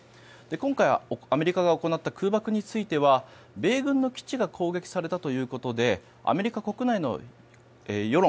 今回アメリカが行った空爆については米軍の基地が攻撃されたということでアメリカ国内の世論